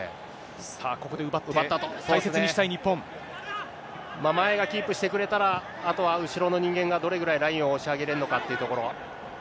さあここで奪った、奪ったあ前がキープしてくれたら、あとは後ろの人間がどれぐらいラインを押し上げれるのかというところ。